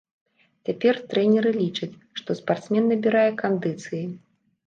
Цяпер трэнеры лічаць, што спартсмен набірае кандыцыі.